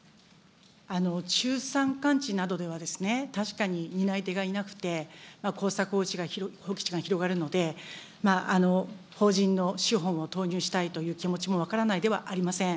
中山間地などでは、確かに担い手がいなくて、耕作放棄地が広がるので、法人の資本を投入したいという気持ちも分からないではありません。